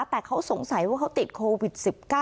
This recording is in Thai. แต่เขาสงสัยว่าเขาติดโควิด๑๙